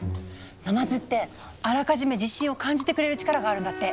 ナマズってあらかじめ地震を感じてくれる力があるんだって。